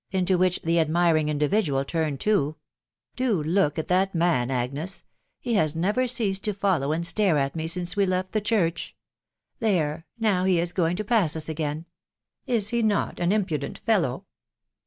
into which the admiring individual turned too ...." Do look at that man, Agnes •••• He has never ceased to follow and stare at me since we left the church. There, now, he is going to pass us again. ... Is he not fP impudent fellow